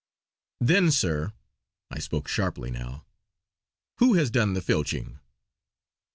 "Then sir," I spoke sharply now, "who has done the filching?